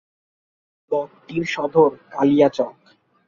ব্লকটির সদর কালিয়াচক।